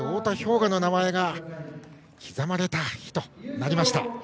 雅の名前が刻まれた日となりました。